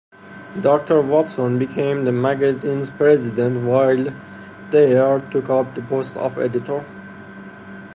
Doctor Watson became the magazine's president while Thayer took up the post of editor.